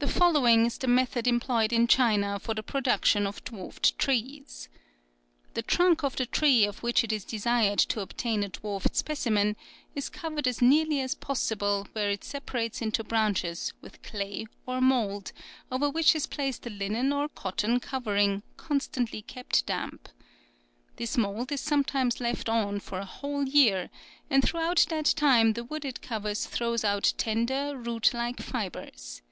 "The following is the method employed in China for the production of dwarfed trees. The trunk of a tree of which it is desired to obtain a dwarfed specimen, is covered as nearly as possible where it separates into branches with clay or mould, over which is placed a linen or cotton covering constantly kept damp. This mould is sometimes left on for a whole year, and throughout that time the wood it covers throws out tender, root like fibres.